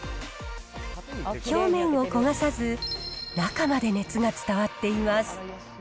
表面を焦がさず、中まで熱が伝わっています。